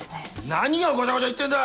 何をごちゃごちゃ言ってんだ！